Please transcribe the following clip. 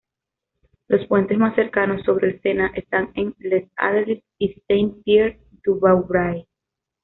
Los puentes más cercanos sobre el Sena están en Les Andelys y Saint-Pierre-du-Vauvray.